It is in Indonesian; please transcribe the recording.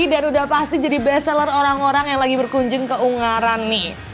udah pasti jadi best seller orang orang yang lagi berkunjung ke ungaran nih